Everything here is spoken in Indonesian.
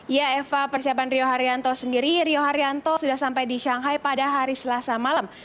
ya eva persiapan rio haryanto sendiri rio haryanto sudah sampai di shanghai pada hari selasa malam